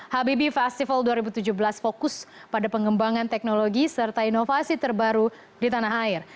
habibi festival dua ribu tujuh belas fokus pada pengembangan teknologi serta inovasi terbaru di tanah air